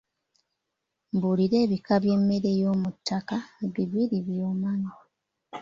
Mbuulira ebika by'emmere y'omuttaka bibiri byomanyi.